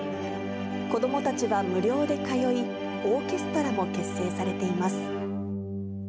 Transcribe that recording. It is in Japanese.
子どもたちは無料で通い、オーケストラも結成されています。